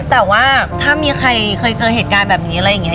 แต่ว่าถ้ามีใครเคยเจอเหตุการณ์แบบนี้อะไรอย่างนี้